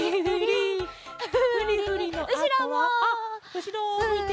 うしろをむいて。